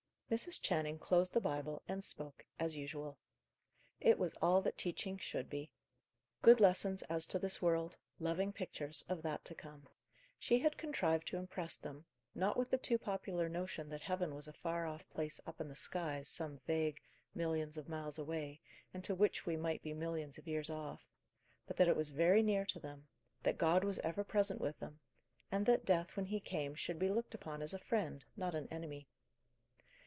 Mrs. Channing closed the Bible, and spoke, as usual. It was all that teaching should be. Good lessons as to this world; loving pictures of that to come. She had contrived to impress them, not with the too popular notion that heaven was a far off place up in the skies some vague, millions of miles away, and to which we might be millions of years off; but that it was very near to them: that God was ever present with them; and that Death, when he came, should be looked upon as a friend, not an enemy.